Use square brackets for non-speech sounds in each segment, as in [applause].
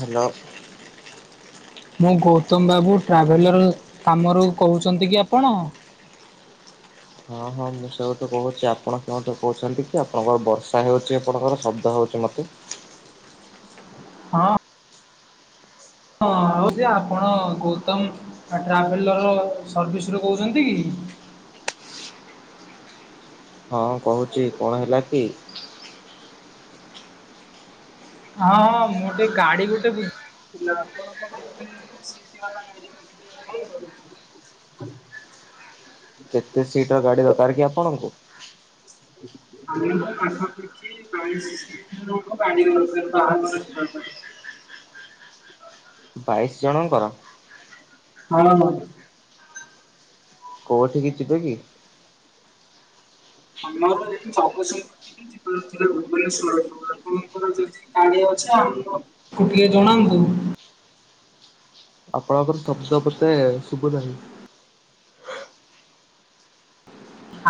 Hello. ମୁଁ ଗୌତମ ବାବୁ traveller କାମରୁ କହୁଛନ୍ତି କି ଆପଣ? ହଁ ହଁ ମୁଁ ସେଉଠୁ କହୁଛି ଆପଣ କେଉଁଠୁ କହୁଛନ୍ତି କି ଆପଣଙ୍କର ବର୍ଷା ହେଉଛି ଆପଣଙ୍କର ଶବ୍ଦ ହେଉଛି ମୋତେ। ହଁ ହଁ ହଉ ଯେ ଆପଣ ଗୌତମ ଅ ଟ୍ରାଭେଲର ସର୍ଭିସରୁୁ କହୁଛନ୍ତି କି? ହଁ କହୁଛି କଣ ହେଲା କି? ହଁ ହଁ ମୁଁ ଟିକେ ଗାଡି ଗୋଟେ ବୁଝିଥିଲା ଆପଣଙ୍କ ପାଇଁ ଗୋଟେ ଶିଟି ବାଲା [unintelligible] କେତେ ସିଟର ଗାଡ଼ି ଦରକାର କି ଆପଣଙ୍କୁ? ହ [inaudible] ବାହାଘର ଯିବା ପାଇଁ। ବାଇଶି ଜଣଙ୍କର? ହଁ ହଁ। କୋଉଠିକି ଯିବେ କି? [inaudible] ଯାଇ ଜଗତସିଂହପୁରଠି। ଯିବାର ଥିଲା ଭୁବନେଶ୍ଵରକୁ ଆପଣଙ୍କର ଯଦି ଗାଡି ଅଛି ଆମ କୁ ଟିକେ ଜଣାନ୍ତୁ। ଆପଣଙ୍କର ଶବ୍ଦ ମତେ ଶୁଭୁ ନାହିଁ।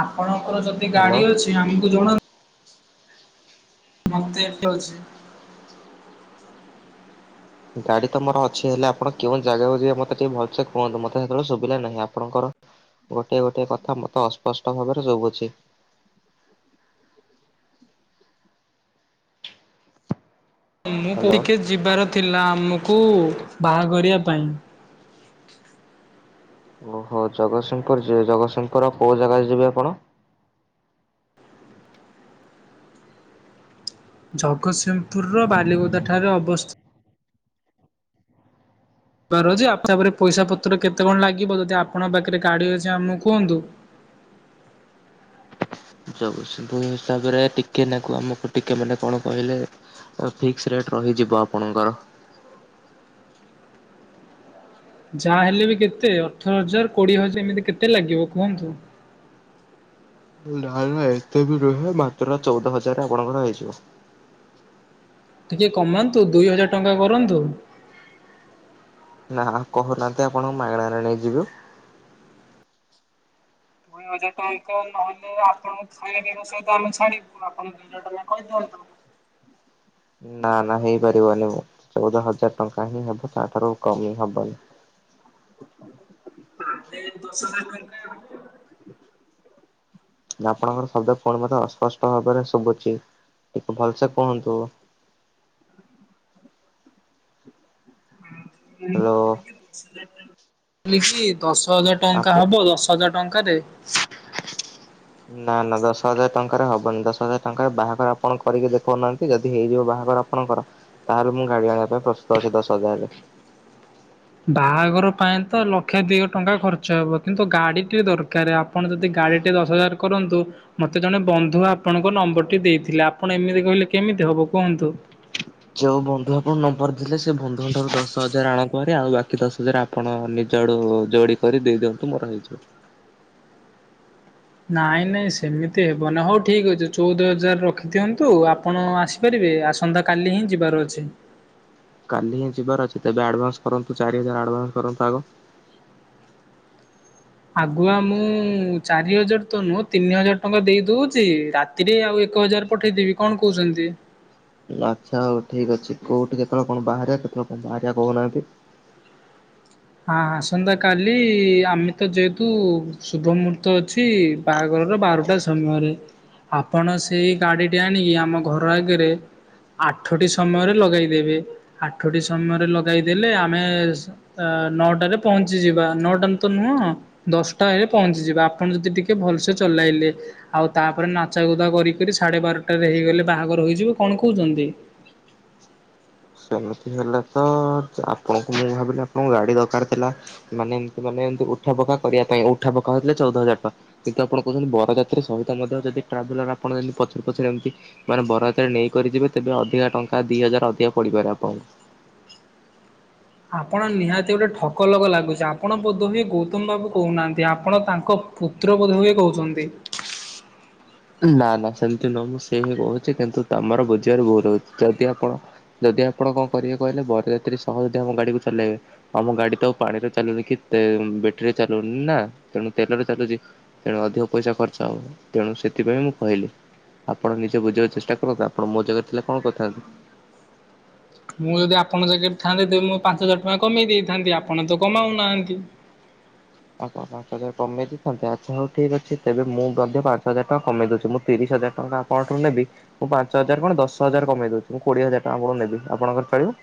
ଆପଣଙ୍କର ଯଦି ହ୍ୟାଲୋ ଗାଡି ଅଛି ଆମକୁ ଜଣାନ୍ ମତେ [unintelligible] ଅଛି। ଗାଡି ତ ମୋର ଅଛି ହେଲେ ଆପଣ କେଉଁ ଜାଗାକୁ ଯିବେ ମତେ ଟିକେ ଭଲସେ କୁହନ୍ତୁ ମତେ ସେତେବେଳେ ଶୁଭିଲା ନାହିଁ ଆପଣଙ୍କର ଗୋଟିଏ ଗୋଟିଏ କଥା ମତେ ଅସ୍ପଷ୍ଟ ଭାବରେ ଶଭୁଛି। ମୁଁ ହ୍ୟାଲୋ ଟିକେ ଯିବାର ଥିଲା ଆମୁକୁ ବାହାଘରିଆ ପାଇଁ ଓହୋ ଜଗତସିଂହପୁର ଯିବେ ଜଗତସିଂହପୁରର କୋଉ ଜାଗା ଯିବେ ଆପଣ? ଜଗତସିଂହପୁରର ବାଲିକୁଦା ଠାରେ ଅବସ୍ଥି ବାର ଯେ ଆପଣଙ୍କ ହିସାବରେ ପଇସା ପତ୍ର କେତେ କଣ ଲାଗିବ ଯଦି ଆପଣଙ୍କ ପାଖରେ ଗାଡ଼ି ଅଛି ଆମୁକୁ କୁହନ୍ତୁ। ଜଗତସିଂହପୁର ହିସାବରେ ଟିକେ ନା କୁ ଆମକୁ ଟିକେ ମାନେ କଣ କହିଲେ ଅ ଫିକ୍ସ ରେଟ ରହିଯିବ ଆପଣଙ୍କର। ଯାହା ହେଲେ ବି କେତେ ଅଠର ହଜାର କୋଡିଏ ହଜାର ଏମିତି କେତେ ଲାଗିବ କୁହନ୍ତୁ। ନା ନା ଏତେ ବି ନୁହେଁ ମାତ୍ର ଚଉଦ ହଜାର ଆପଣଙ୍କର ହେଇଯିବ। ଟିକେ କମାନ୍ତୁ ଦୁଇ ହଜାର ଟଙ୍କା କରନ୍ତୁ। ନା କହୁନାହାନ୍ତି ଆପଣଙ୍କୁ ମାଗଣାରେ ନେଇଯିବୁ ଦୁଇ ହଜାର ଟଙ୍କା ନହେଲେ ଆପଣଙ୍କୁ ଖାଇବା ପିଇବା ସହିତ ଆମେ ଛାଡ଼ିବୁ ଆପଣଙ୍କୁ ଦୁଇ ହଜାର ଟଙ୍କା କହିଦିଅନ୍ତୁ। ନା ନା ହେଇପାରିବନି ଚଉଦ ହଜାର ଟଙ୍କା ହିଁ ହେବ ତାଠାରୁ ଆଉ କମେଇ ହବନି ତାହେଲେ [inaudible] ନା ଆପଣଙ୍କର ଶବ୍ଦ ପୁଣି ମତେ ଅସ୍ପଷ୍ଟ ଭାବରେ ଶୁଭୁଛି ଟିକେ ଭଲସେ କୁହନ୍ତୁ। ମୁଁ ହ୍ୟାଲୋ କହୁଥିଲି କି ଦଶ ହଜାର ଟଙ୍କା [inaudible] ଦଶ ହଜାର ଆପ ଟଙ୍କା ହବ ଦଶ ହଜାର ଟଙ୍କାରେ ନା ନା ଦଶ ହଜାର ଟଙ୍କାରେ ହବନି ଦଶ ହଜାର ଟଙ୍କାରେ ବାହାଘର ଆପଣ କରିକି ଦେଖଉନାହାନ୍ତି ଯଦି ହେଇଯିବ ବାହାଘର ଆପଣଙ୍କର ତାହେଲେ ମୁଁ ଗାଡି ଆଣିବା ପାଇଁ ପ୍ରସ୍ତୁତ ଅଛି ଦଶ ହଜାରରେ। ବାହାଘର ପାଇଁ ତ ଲକ୍ଷେ ଦୁଇ ଟଙ୍କା ଖର୍ଚ୍ଚ ହେବ କିନ୍ତୁ ଗାଡ଼ିଟି ଦରକାର ଆ ଆପଣ ଯଦି ଗାଡ଼ିଟେ ଦଶ ହଜାର କରନ୍ତୁ ମୋତେ ଜଣେ ବନ୍ଧୁ ଆପଣଙ୍କ ନମ୍ବରଟି ଦେଇଥିଲେ ଆପଣ ଏମିତି କହିଲେ କେମିତି ହବ କୁହନ୍ତୁ। ଯୋଉ ବନ୍ଧୁ ଆପଣ ନମ୍ବର ଥିଲେ ସେ ବନ୍ଧୁଙ୍କ ଠାରୁ ଦଶ ହଜାର ଆଣ ପହରେ ଆଉ ବା କି ଦଶ ହଜାର ଆପଣ ନିଜ ଆଡୁ ଯୋଡ଼ି କରି ଦେଇଦିଅନ୍ତୁ ମୋର ହେଇଯିବ। ନାଇଁ ନାଇଁ ସେମିତି ହେବନହି ହଉ ଠିକ୍ ଅଛି ଚଉଦ ହଜାର ରଖିଦିଅନ୍ତୁ ଆପଣ ଆସି ଆସି ପାରିବେ ଆସନ୍ତାକାଲି ହିଁ ଯିବାର ଅଛି। କାଲି ହିଁ ଯିବାର ଅଛି ତେବେ ଆଡ଼ଭାନ୍ସ କରନ୍ତୁ ଚାରି ହଜାର ଆଡ଼ଭାନ୍ସ କରନ୍ତୁ ଆଗ ଆଗୁଆ ମୁଁ ଚାରି ହଜାର ତ ନୁହଁ ତିନି ହଜାର ଟଙ୍କା ଦେଇ ଦଉଛି ରା ତିରେ ଆଉ ଏକ ହଜାର ପଠେଇଦେବି କଣ କହୁଛନ୍ତି। ଆଚ୍ଛା ହଉ ଠିକ ଅଛି କୋଉଠି କେତବେଳେ କଣ ବାହାରିଆ କେତେବେଳେ କଣ ବାହାରି କହୁନାହାନ୍ତି। ହଁ ଆସନ୍ତା କାଲି ଆମେ ତ ଯେହେତୁ ଶୁଭମୂର୍ତ୍ ତ ଅଛି ବାହାଘରର ବାରଟା ସମୟରେ ଆପଣ ସେଇ ଗାଡ଼ିଟି ଆଣିକି ଆମ ଘର ଆଗରେ ଆଠଟି ସମୟରେ ଲଗେଇଦେବେ ଆଠଟି ସମୟରେ ଲଗେଦେଲେ ଆମେ ସ ଅ ନଅଟାରେ ପହଞ୍ଚିଯିବା ନଅଟାନ ତ ନୁହଁ। ଦଶଟା ହେଲେ ପହଞ୍ଚିଯିବା ଆପଣ ଯଦି ଟିକେ ଭଲସେ ଚଲାଇଲେ। ଆଉ ତାପରେ ନାଚାଗୁଦା କରି କରି ସାଢ଼େ ବାରଟାରେ ହେଇଗଲେ ବାହାଘର ହୋଇଯିବ କଣ କହୁଛନ୍ତି। ସେମିତି ହେଲେ ତ ଆପଣଙ୍କୁ ମୁଁ ଭାବିଲି ଆପଣଙ୍କୁ ଗାଡ଼ି ଦରକାର ଥିଲା- ମାନେ ଏମିତି ମାନେ ଏମି଼ତି ଉଠା ବକା କରିବା ପାଇଁ ଉଠା ବକା ହେଇଥିଲେ ଚଉଦ ହଜାର ଟଙ୍କା କିନ୍ତୁ ଆପଣ କହୁଛନ୍ତି ବରଯାତ୍ରୀା ସହିତ ମଧ୍ୟ ଯଦି ଟ୍ରାଭେଲର ଆପଣିତି ପଛରେ ପଛରେ ଏମିତି ମାନେ ବରଯାତ୍ରୀ ନେଇକରି ଯିବେ ତେବେ ଅଧିକା ଟଙ୍କା ଦି ହଜାର ଅଧିକା ପଡିପାରେ ଆପଣଙ୍କୁ ଆପଣ ନିହାତି ଗୋଟେ ଠକ ଲଗ ଲାଗୁଛି ଆପଣ ବୋଧହୁଏ ଗୌତମ ବାବୁ କହୁନାହାନ୍ତି ଆପଣ ତାଙ୍କ ପୁତ୍ର ବୋଧ ହୁଏ କହୁଛନ୍ତି। ନା ନା ସେମିତି ନ ମୁଁ ସେଇ ହଁ କହୁଛି କିନ୍ତୁ ତମର ବୁଝିବାର ଭୁଲ ହଉଛି ଯଦି ଆପଣ ଯଦି ଆପଣ କଣ କରିବେ କହିଲେ ବରଯାତ୍ରୀ ସହ ଯଦି ଆମ ଗାଡ଼ିକୁ ଚଲାଇବେ ଆମ ଗାଡି ତ ଆଉ ପାଣିରେ ଚାଲୁନି କି ତେ ବେଟେରୀରେ ଚାଲୁନି ନା ତେଣୁ ତେଲରେ ଚାଲୁଛି ତେଣୁ ଅଧିକ ପଇସା ଖର୍ଚ୍ଚ ହବ ତେଣୁ ସେ ସେଥିପାଇଁ ମୁଁ କହିଲି ଆପଣ ନିଜେ ବୁଝିବାକୁ ଚେଷ୍ଟା କରନ୍ତୁ ଆପଣ ମୋ ଜାଗାରେ ଥିଲେ କଣ କଥାନ୍ତି ମୁଁ ଯଦି ଆପଣଙ୍କ ଜକେଟ୍ ଥାଆନ୍ତି ତେବେ ମୁଁ ପାଞ୍ଚ ହଜାର ଟଙ୍କା କମେଇ ଦେଇଥାନ୍ତି ଆପଣ ତ କମାଉନାହାଁନ୍ତି। ଆପଣ ହ ପାଞ୍ଚ ହଜାର କମେଇ ଦେଇଥାନ୍ତେ ଆଚ୍ଛା ହଉ ଠିକ ଅଛି ତେବେ ମୁଁ ମଧ୍ୟ ପାଞ୍ଚ ହଜାର ଟଙ୍କା କମେଇ ଦଉଛି ମୁଁ ତିରିଶ ହଜାର ଟଙ୍କା କଣଠୁ ନେବି ମୁଁ ପାଞ୍ଚ ହଜାର କଣ ଦଶ ହଜାର କମେଇ ଦଉଛି ମୁଁ କୋଡିଏ ହଜାର ଟା ଆପଣଙ୍କୁ ନେବି ଆପଣଙ୍କର ଚଳିବ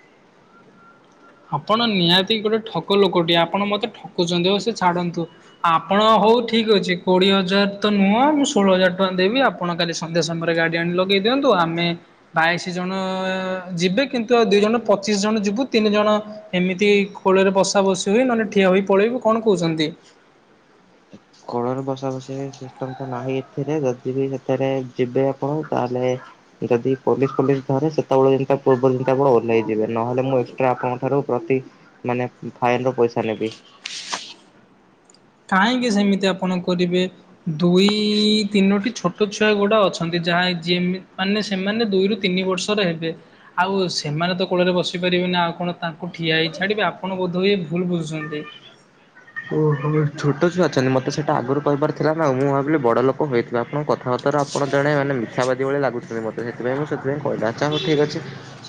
ଆପଣ ନିହାତି ଗୋଟେ ଠକ ଲୋକଟିଏ ଆପଣ ମତେ ଠକୁଛନ୍ତି ଓ ସେ ଛାଡନ୍ତୁ ଆପଣ ହଉ ଠିକ ଅଛି କୋଡିଏ ହଜାର ତ ନୁହଁ ମୁଁ ଷୋହଳ ହଜାର ଟଙ୍କା ଦେବି ଆପ ଆପଣ କାଲି ସନ୍ଧ୍ୟା ସମୟରେ ଗାଡି ଆଣି ଲଗେଇ ଦିଅନ୍ତୁ ଆମେ ବାଇଶି ଜଣ ଯିବେ କିନ୍ତୁଆଉ ଦି ଜଣ ପଚିସି ଜଣ ଯିବୁ ତିନି ଜଣ ଏମିତି କୋଳରେ ବସା ବସିି ହୁଏ ନହେଲେ ଠିଆ ହୋଇ ପଳେଇବୁ କଣ କହୁଛନ୍ତି। କୋଳରେ ବସା ବସି ହେଇଛି ସିଷ୍ଟମ ତ ନାହିଁ ଏଥିରେ ଯଦି ବି ସେଥିରେ ଯିବେ ଆପଣ ତାହେଲେ ଯଦି ପୋଲିସ ଫୋଲିସ ଧରେ ସେତେବେଳେ ଯେମିତି ତା ପୂର୍ବରୁ ଯେମିତି ଆପଣ ଓହ୍ଲାଇଯିବେ ନହେଲେ ମୁଁ ଏକ୍ସଟ୍ରା ଆପଣଙ୍କ ଠାରୁ ପ୍ରତି ମାନେଉ ଫାଇନ ର ପଇସା ନେବି କାହିଁକି ସେମିତି ଆପଣ କରିବେ ଦୁଇ ତିନୋଟି ଛୋଟ ଛୁଆ ଗୁଡା ଅଛନ୍ତି ଯାହା ଜେମିତି ମାନେ ସେମାନେ ଦୁଇରୁ ତିନି ବର୍ଷରେ ହେବେ ଆଉ ସେମାନେ ତ କୋଳରେ ବସିପାରିବେନି ଆଉ କଣ ତାଙ୍କୁ ଠିଆ ହେଇ ଛାଡ଼ିବେ ଆପଣ ବୋଧହୁଏ ଭୁଲ ବୁଝୁଛନ୍ତି। [inaudible] ଓହୋ ଛୋଟ ଛୁଆ ଅଛନ୍ତି ମତେ ସେଇଟା ଆଗରୁ କହିବାର ଥିଲା ନା ମୁଁ ଭାବିଲି ବଡ ଲୋକ ହୋଇଥିବ ଆପଣଙ୍କ କଥାବାତା ର ଆପଣ ଜଣେ ମାନେ ମିଥ୍ୟା ବାଦି ଭଳି ଲାଗୁଛନ୍ତି ମୋତ ସେଥିପାଇଁ ମୁଁ ସେଥିପାଇ କହିଲା ଆଚ୍ଛା ହଉ ଠିକ୍ ଅଛି।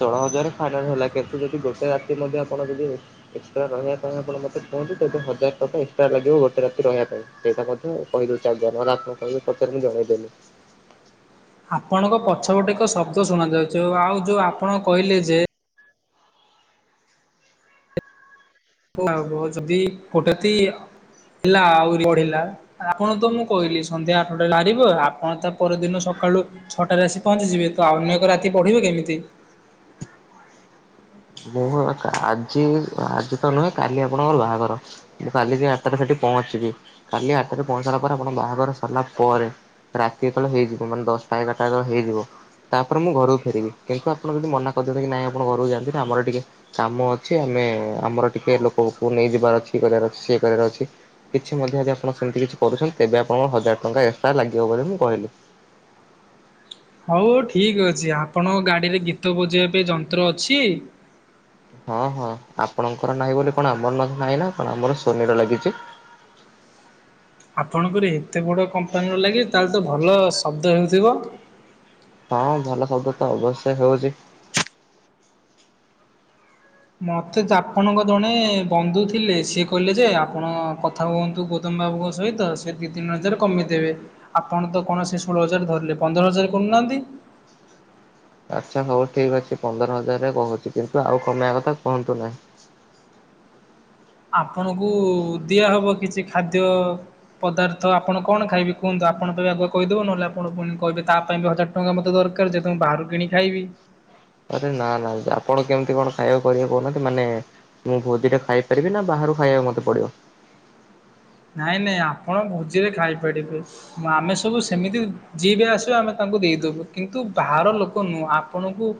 ଷୋହଳ ହଜାର ଖାଇଲା ବେଳୁ ହେଲା କେତେ ଯଦି ଗୋଟେ ରାତି ନେବେ ଆପଣ ଯଦି ଏକ୍ସଟ୍ରା ରହିବା ପାଇଁ ଆପଣ [unintelligible] ହଜାର ଟଙ୍କା ଏକ୍ସଟ୍ରା ଲାଗିବ ଗୋଟେ ରାତି ରହିବା ପାଇଁ ସେଇଟା ମଧ୍ୟ କହିଦଉଛି ଆଜ୍ଞା ନହେନେ ଆପଣ କହିବେ ପଛରେ ମୁଁ ଜାଣିବାକୁ ପାଇଲି। ଆପଣଙ୍କ ପଛ ପଟେ ଏକ ଶବ୍ଦ ଶୁଣ ଯାଉଛି ଓ ଆଉ ଯୋଉ ଆପଣ କହିଲେ ଯେ। [unintelligible] ଯଦି କୋଉଟା ତି ହେଲା ଆଉରି ବଢିଲା। ଆପଣ ତ ମୁଁ କହିଲି ସନ୍ଧ୍ୟା ଆଠଟା ବାହାରିବ ଆପଣ ତା ପରଦିନ ସକାଳୁ। ଛଅଟାରେ ଆସି ପହଞ୍ଚିଯିବେ ତ ଅନ୍ୟ ଏକ ରାତି ପଢିବେ କେମିତି। ମୁହୁ ଏକା ଆଜି ଆଜି ତ ନୁହେଁ କାଲି ଆପଣଙ୍କର ବାହାଘର। ମୁଁ କାଲି ଯାଇ ଆଠଟାରେ ସେଠି ପହଞ୍ଚିବି କାଲି ଆଠଟାରେ ପହଞ୍ଚିସାରିଲା ପରେ ଆପଣ ବାହାଘର ସରିଲା ପରେ। ରାତି ଯେତେବେଳେ ହେଇଯିବ ମାନେ ଦଶଟା ଏଗାରଟା ଯେତେବେଳେ ହେଇଯିବ। ତାପରେ ମୁଁ ଘରକୁ ଫେରିବି କିନ୍ତୁ ଆପଣ ଯଦି ମନା କରିଦିଅନ୍ତେ କି ନାଇଁ ଆପଣ ଘରକୁ ଯାଆନ୍ତିନୀ ଆମର ଟିକେ। କାମ ଅଛି ଆମେ ଆମର ଟିକେ ଲୋକକୁ ନେଇଯିବାର ଅଛି ଇଏ କରିବାର ଅଛି ସିଏ କରିବାର ଅଛି। କିଛି ମଧ୍ୟ ଯଦି ଆପଣ ସେମିତି କିଛି କରୁଛନ୍ତି ତେବେ ଆପଣଙ୍କର ହଜାର ଟଙ୍କା ଏକ୍ସଟ୍ରା ଲାଗିବ ବୋଲି ମୁଁ କହିଲି। ହଉ ଠିକ୍ ଅଛି ଆପଣଙ୍କ ଗାଡିରେ ଗୀତ ବଜେଇବା ପାଇଁ ଯନ୍ତ୍ର ଅଛି। ହଁ ହଁ ଆପଣଙ୍କର ନାହିଁ ବୋଲି କଣ ଆମର ନ ନାହିଁ ନା କଣ ଆମର ସୋନିର ଲାଗିଛି। ଆପଣଙ୍କର ଏତେ ବଡ଼ କମ୍ପାନୀର ଲାଗିଚି ତାହେଲେ ତ ଭଲ ଶବ୍ଦ ହେଉଥିବ। ହଁ ଭଲ ଶବ୍ଦ ତ ଅବଶ୍ୟ ହେଉଛି। ମତେ ଚା ଆପଣଙ୍କ ଜଣେ ବନ୍ଧୁ ଥିଲେ ସିଏ କହିଲେ ଯେ ଆପଣ କ କଥା ହୁଅନ୍ତୁ ଗୌତମ ବାବୁଙ୍କ ସହିତ ସେ ଦି ତିନି ହଜାର କମେଇଦେବେ। ଆପଣ ତ କୌଣସି ଷୋହଳ ହଜାର ଧରିଲେ ପନ୍ଦର ହଜାର କରୁନାହାନ୍ତି। ଆଚ୍ଛା ହଉ ଠିକ୍ ଅଛି ପନ୍ଦର ହଜାରରେ କହୁଛି କିନ୍ତୁ ଆଉ କମେଇବା କଥା କୁହନ୍ତୁ ନାହିଁ। ଆପଣଙ୍କୁ ଦିଆହବ କିଛି ଖାଦ୍ୟ। ପଦାର୍ଥ ଆପଣ କଣ ଖାଇବେ କୁହନ୍ତୁ ଆପଣ ଫେରେ ଆଗୁଆ କହିଦେବ ନହେଲେ ଆପଣ ପୁଣି କହିବେ ତା ପାଇଁ ବି ହଜା ଟଙ୍କା ମୋତେ ଦରକାର ଯେହେତୁ ମୁଁ ବାହାରୁ କିଣି ଖାଇବି। ଆରେ ନା ନା ଆପଣ କେମିତି କଣ ଖାଇବାକୁ କରିବାକୁ କହୁନାହାନ୍ତି ମାନେ। ମୁଁ ଭୋଜି ଟା ଖାଇପାରିବି ନା ବାହାରୁ ଖାଇବାକୁ ମୋତେ ପଡ଼ିବ? ନାଇଁ ନାଇଁ ଆପଣ ଭୋଜିରେ ଖାଇପାରିବେ। ଆମେ ସବୁ ସେମିତି ଯିଏ ବି ଆସିବା ଆମେ ତାଙ୍କୁ ଦେଇଦବୁ କିନ୍ତୁ ବାହାର ଲୋକ ନୁହଁ ଆପଣଙ୍କୁ।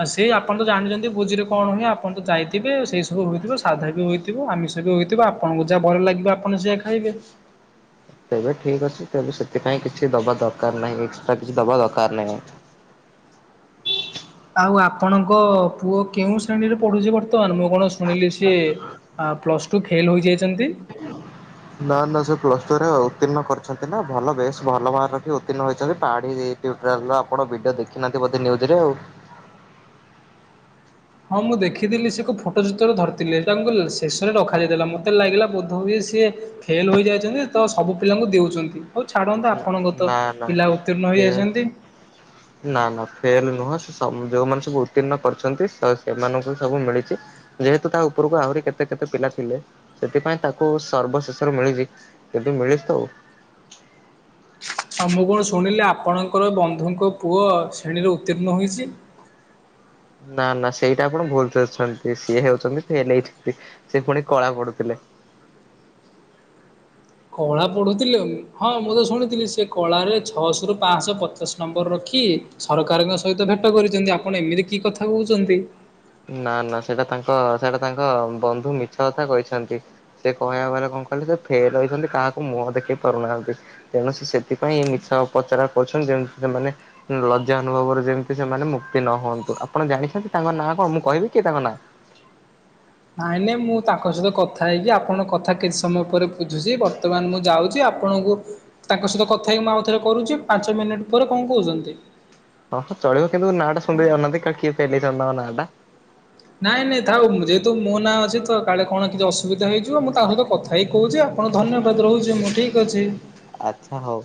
ଆ ସେଇ ଆପଣ ତ ଜାଣିଚନ୍ତି ଭୋଜି ରେ କଣ ହୁଏ ଆପଣ ତ ଯାଇଥିବେ ସେଇ ସବୁ ହୋଇଥିବ ସାଧା ବି ହୋ ଇଥିବ ଆମିଷ ବି ହୋଇଥିବ ଆପଣଙ୍କୁ ଯାହା ଭଲ ଲାଗିବ ଆପଣ ସେୟା ଖାଇବେ। ତେବେ ଠିକ୍ ଅଛି ତେବେ ସେଥିପାଇଁ କିଛି ଦବା ଦରକାର ନାହିଁ ଏକ୍ସଟ୍ରା କିଛି ଦବା ଦରକାର ନାହିଁ। ଆଉ ଆପଣଙ୍କ ପୁଅ କେଉଁ ଶ୍ରେଣୀରେ ପଢୁଛି ବର୍ତ୍ତ ତମାନ ମୁଁ କଣ ଶୁଣିଲି ସିଏ ଆଁ ପ୍ଲସ ଟୁ ଫେଲ ହୋଇଯାଇଚନ୍ତି। ନା ନା ସେ ପ୍ଲସ୍ ଟୁରେ ଉତ୍ତୀର୍ଣ୍ଣ କରିଛନ୍ତି ନା ଭଲ ବେଶ ଭଲ ମାର୍କ ରଖି ଉତ୍ତୀର୍ଣ ହୋଇଚନ୍ତି ପାଢିରେ। ଟ୍ୟୁ୍ଟରାଲର ଆପଣ ଭିଡିଓ ଦେଖିନାହାନ୍ତି ବୋଧେ ନ୍ୟୁଜରେ ଆଉ। ହଁ ମୁଁ ଦେଖିଥିଲି ସେ ଏକ ଫୋଟୋ ଚିତ୍ର ଧରିଥିଲେ ତାଙ୍କୁ ଲ ଶେଷରେ ରଖାଯାଇଥିଲା ମତେ ଲାଗିଲା ବୋଧ ହୁଏ ସିଏ। ଫେଲ୍ ହୋଇଯାଇଚନ୍ତି ତ ସବୁ ପିଲାଙ୍କୁ ଦେଉଚନ୍ତି। ହଉ ଛାଡନ୍ତୁ ଆପଣଙ୍କ ତ ନା ନା ପିଲା ଉତ୍ତୀର୍ଣ୍ଣ ହୋଇଯାଇଚନ୍ତି। ନାଁ ନାଁ ଫେଲ ନୁହଁ ସେ ସ ଉଁ ଯୋଉମାନେ ସବୁ ଉତ୍ତୀର୍ଣ୍ଣ କରିଚନ୍ତି ସ ସେମାନଙ୍କୁ ସବୁ ମିଳିଚି। ଯେହେତୁ ତା ଉପରକୁ ଆହୁରି କେତେ କେତେ ପିଲା ଥିଲେ ସେଥିପାଇଁ ତାକୁ ସର୍ବଶେଷରେ ମିଳିଚି। କିନ୍ତୁ ମିଳିଚି ତ ଆଉ। ଆଉ ମୁଁ କଣ ଶୁଣିଲି ଆପଣଙ୍କର ବନ୍ଧୁଙ୍କ ପୁଅ ଶ୍ରେଣୀରେ ଉତ୍ତୀର୍ଣ୍ଣ ହୋଇଚି। ନା ନା ସେଇଟା ଆପଣ ଭୁଲ ସେ ଶୁଣିଥିବେ ସିଏ ହେଉଚନ୍ତି ଫେଲ ହେଇଚନ୍ତି ସେ ପୁଣି କଳା ପଢୁଥିଲେ। କଳା ପଢୁଥିଲେ ହଁ ମୁଁ ତ ଶୁଣିଥିଲି ସେ କଳାରେ ଛଅଶହରୁ ପାନ୍ସ ପଚାଶ ନମ୍ବର ରଖି। ସରକାରଙ୍କ ସହିତ ଭେଟ କରିଚନ୍ତି ଆପଣ ଏମିତି କି କଥା କହୁଚନ୍ତି। ନା ନା ସେଇଟା ତାଙ୍କ ସେଇଟା ତାଙ୍କ ବନ୍ଧୁ ମିଛ କଥା କହିଛନ୍ତି। ସେ କହିବା କଥା କଣ କହିଲ ସେ ଫେଲ ହୋଇଚନ୍ତି କାହାକୁ ମୁହଁ ଦେଖେଇ ପାରୁନାହାନ୍ତି। ତେଣୁ ସେ ସେଥିପାଇଁ ମିଛ ପ୍ରଚାର କରୁଛନ୍ତି ଯେମିତି ସେମାନେ। ଲଜ୍ଜା ଅନୁଭବରେ ଯେମିତି ସେମାନେ ମୁକ୍ତି ନ ହୁଅନ୍ତୁ ଆପଣ ଜାଣିଛନ୍ତି ତାଙ୍କ ନାଁ କଣ ମୁଁ କହିବି କି ତାଙ୍କ ନାଁ? ନାଇଁ ନାଇଁ ମୁଁ ତାଙ୍କ ସହିତ କଥା ହେଇକି ଆପଣ କଥା କିଛି ସମୟ ପରେ ବୁଝୁଚି ବର୍ତ୍ତମାନ ମୁଁ ଯାଉଚି ଆ ଆପଣଙ୍କୁ ତାଙ୍କ ସହିତ କଥା ହେଇକି ମୁଁ ଆଉ ଥରେ କରୁଚି ପାଞ୍ଚ ମିନିଟ ପରେ କଣ କହୁଚନ୍ତି। ହଁ ହଁ ଚଳିବ କିନ୍ତୁ ନାଁ ଟା ଶୁଣି ଦେଇଥାଉନାହାନ୍ତି କାଳେ କିଏ ଫେଲ ହେଇଚନ୍ତି ତାଙ୍କ ନାଁ ଟା। ନାଇଁ ନାଇଁ ଥାଉ ଯେହେତୁ ମୋ ନାଁ ଅଛି ତ କାଳେ କଣ କିଛି ଅସୁବିଧା ହେଇଯିବ ମୁଁ ତାଙ୍କ ସହିତ କଥା ହେଇ କହୁଚି ଆପଣ ଧନ୍ୟବାଦ ରହୁଚି ମୁଁ ଠିକ୍ ଅଛି। ଆଚ୍ଛା ହଉ।